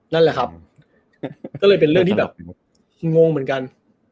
นั่นแหละครับก็เลยเป็นเรื่องที่แบบงงเหมือนกัน